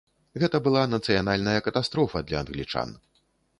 Гэта была нацыянальная катастрофа для англічан.